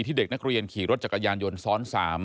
เด็กนักเรียนขี่รถจักรยานยนต์ซ้อน๓